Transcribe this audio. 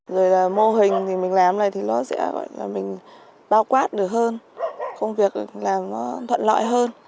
rồi mô hình thì mình làm này thì nó sẽ gọi là mình bao quát được hơn công việc làm nó thuận lợi hơn